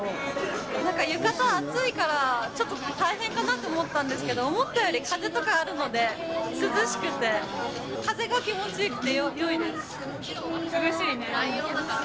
なんか浴衣暑いからちょっと大変かなと思ったんですけど、思ったより風とかあるので、涼しくて、涼しいね。